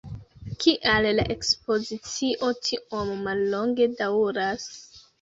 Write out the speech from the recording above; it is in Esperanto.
Kial la ekspozicio tiom mallonge daŭras?